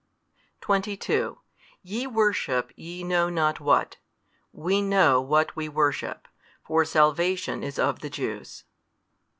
22 Ye worship ye know not what: we know what we worship, for salvation is of the Jews.